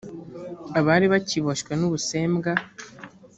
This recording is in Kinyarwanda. abari bakiboshywe n ubusembwa